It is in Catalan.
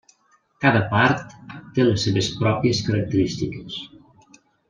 Cada part té les seves pròpies característiques.